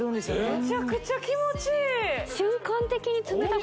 むちゃくちゃ気持ちいい